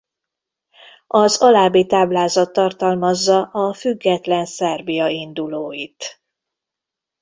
Az alábbi táblázat tartalmazza a független Szerbia indulóit.